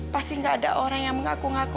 pasti gak ada orang yang mengaku ngaku